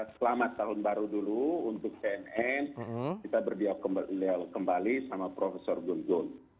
selamat tahun baru dulu untuk cnn kita berdialog kembali sama prof gun gun